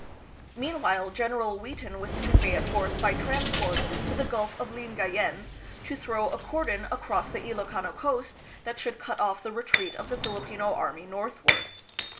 Mean while, General Wheaton was to convey a force by trans port to the Gulf of Lingayen, to throw a cordon across the Ilokano coast that should cut off the retreat of the Filipino army northward.